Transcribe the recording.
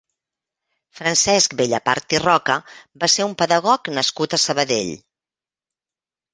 Francesc Bellapart i Roca va ser un pedagog nascut a Sabadell.